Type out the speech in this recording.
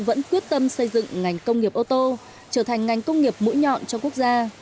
vẫn quyết tâm xây dựng ngành công nghiệp ô tô trở thành ngành công nghiệp mũi nhọn cho quốc gia